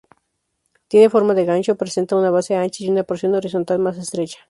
Tiene forma de gancho, presenta una base ancha y una porción horizontal más estrecha.